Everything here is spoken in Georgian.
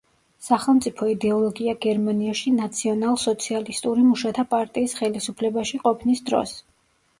სახელმწიფო იდეოლოგია გერმანიაში ნაციონალ-სოციალისტური მუშათა პარტიის ხელისუფლებაში ყოფნის დროს.